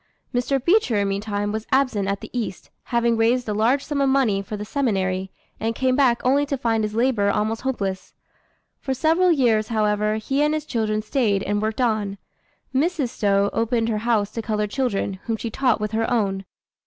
Dr. Beecher, meantime, was absent at the East, having raised a large sum of money for the seminary, and came back only to find his labor almost hopeless. For several years, however, he and his children stayed and worked on. Mrs. Stowe opened her house to colored children, whom she taught with her own.